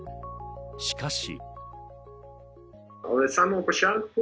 しかし。